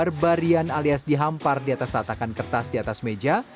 karena barbarian alias dihampar di atas tatakan kertas di atas meja